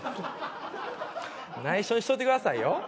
内緒にしといてくださいよ。